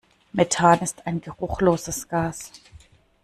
Methan ist ein geruchloses Gas.